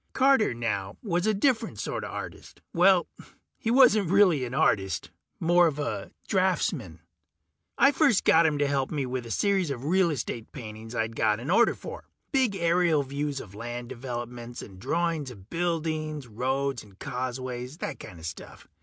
Carter, now, was a different sorta artist. Well, he wasn't really an artist more of a draftsman. I first got him in to help me with a series of real estate paintings I'd got an order for. Big aerial views of land developments, and drawings of buildings, roads and causeways, that kinda stuff.